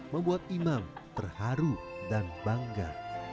membuat imam terharu dan bangga